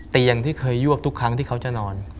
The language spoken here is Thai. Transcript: เตียงที่เคยยวกทุกครั้งที่เขาจะนอน